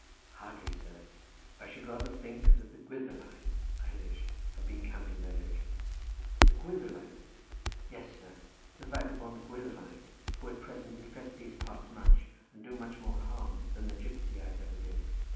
"Hardly, sir; I should rather think that the Gwyddeliad (Irish) have been camping there lately." "The Gwyddeliad?" "Yes, sir, the vagabond Gwyddeliad, who at present infest these parts much, and do much more harm than the Gipsiaid ever did."